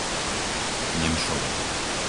Nemšová